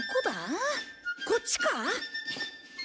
こっちか？